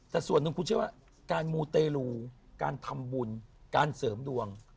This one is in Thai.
แต่ส่วนหนึ่งคุณเชื่อว่าการมูเตรลูการทำบุญการเสริมดวง